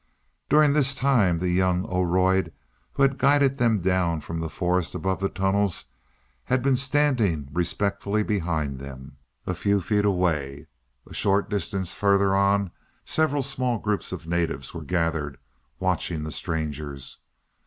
During this time the young Oroid who had guided them down from the forest above the tunnels, had been standing respectfully behind them, a few feet away. A short distance farther on several small groups of natives were gathered, watching the strangers.